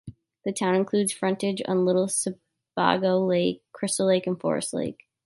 The town includes frontage on Little Sebago Lake, Crystal Lake, and Forest Lake.